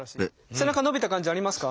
背中伸びた感じありますか？